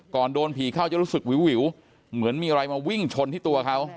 ก่อนโดนผีเข้าจะรู้สึกวิวเหมือนมีอะไรมาวิ่งชนที่ตัวเขา